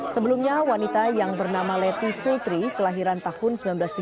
sebelumnya wanita yang bernama leti sultri kelahiran tahun seribu sembilan ratus tujuh puluh